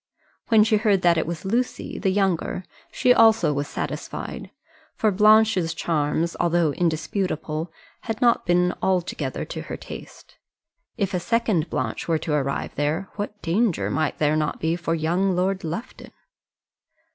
When she heard that it was Lucy, the younger, she also was satisfied; for Blanche's charms, though indisputable, had not been altogether to her taste. If a second Blanche were to arrive there what danger might there not be for young Lord Lufton!